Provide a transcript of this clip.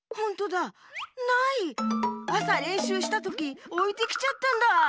あされんしゅうしたときおいてきちゃったんだ。